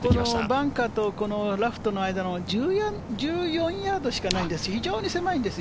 バンカーとラフとの間の１４ヤードしかないんです。